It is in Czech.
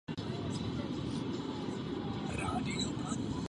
Jeho manželkou byla Magdalena roz.